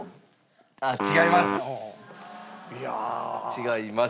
違います。